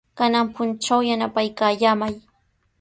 Kanan puntraw yanapaykallamay.